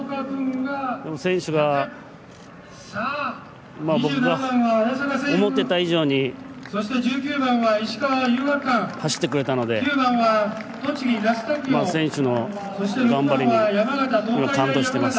選手が僕が思ってた以上に走ってくれたので選手の頑張りに今、感動しています。